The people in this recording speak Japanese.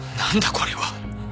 これは！？